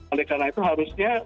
oleh karena itu harusnya